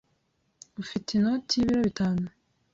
Ufite inoti y'ibiro bitanu?